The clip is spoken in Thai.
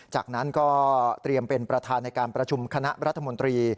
จากนั้นก็เตรียมเป็นประธานในการประชุมคณะรัฐมนตรี